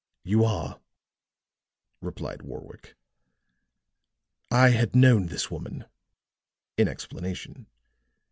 "You are," replied Warwick. "I had known this woman," in explanation.